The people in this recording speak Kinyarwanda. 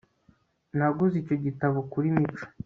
naguze icyo gitabo kuri mico